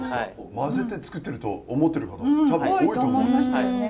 混ぜて作ってると思ってる方多分多いと思いますよ。